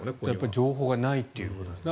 情報がないっていうことなんですね。